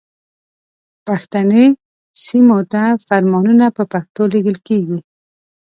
پښتني سیمو ته فرمانونه په پښتو لیږل کیږي.